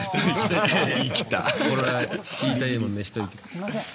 すんません。